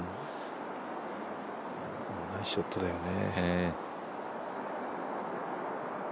でもナイスショットだよね。